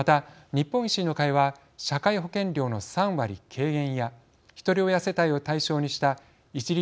日本維新の会は社会保険料の３割軽減やひとり親世帯を対象にした一律